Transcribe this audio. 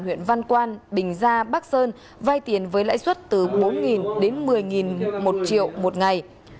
huyện văn quan bình gia bắc sơn vai tiền với lãi suất từ bốn đến một mươi một triệu một ngày